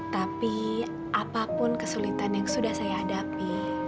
tapi apapun kesulitan yang sudah saya hadapi